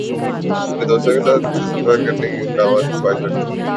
میں اپنے دوستوں کے ساتھ سفر کر کے نئی مقامات دیکھنے کی خواہش رکھتا ہوں۔